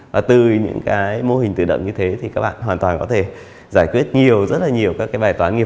và từ những cái mô hình tự động như thế thì các bạn hoàn toàn có thể giải quyết nhiều rất là nhiều các cái bài toán nghiệp